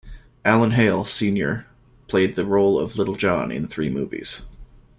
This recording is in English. Alan Hale, Senior played the role of Little John in three movies.